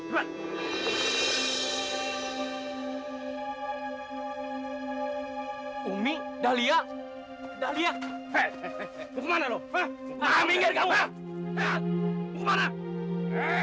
kamu dibilang melawan lawan